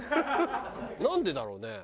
なんでだろうね？